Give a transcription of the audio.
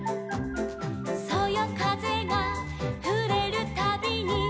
「そよかぜがふれるたびに」